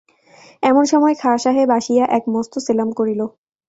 এমন সময়ে খাঁ সাহেব আসিয়া এক মস্ত সেলাম করিল।